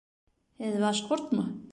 Һеҙ башҡортмо?